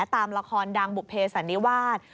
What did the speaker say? ตามละครดังบุเภสันนิวาส